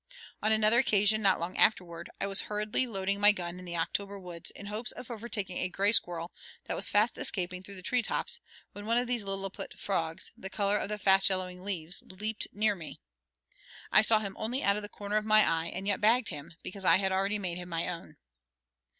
On another occasion, not long afterward, I was hurriedly loading my gun in the October woods in hopes of overtaking a gray squirrel that was fast escaping through the tree tops, when one of these lilliput frogs, the color of the fast yellowing leaves, leaped near me. I saw him only out of the corner of my eye and yet bagged him, because I had already made him my own.